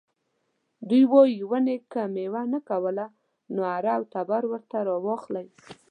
دوی وايي ونې که میوه نه کوله نو اره او تبر ورته راواخلئ.